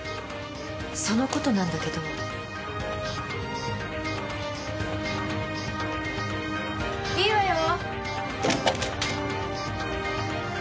その事なんだけど。いいわよ。